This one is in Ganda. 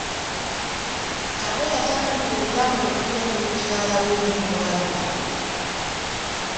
Kato yatandika obulamu obupya ne mukyala we n'embwa yabwe.